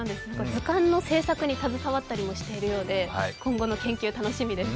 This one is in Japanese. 図鑑の製作に携わったりもしているようで今後の研究楽しみです